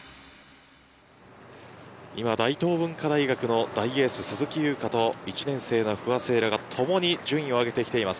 今、大東文化大学の大エース鈴木優花と１年生の不破聖衣来がともに順位を上げてきています。